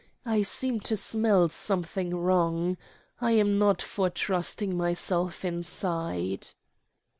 I seem to smell something wrong. I'm not for trusting myself inside."